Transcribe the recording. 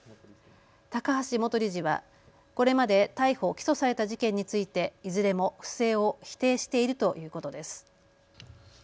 高橋元理事はこれまで逮捕・起訴された事件についていずれも不正を否定しているということです。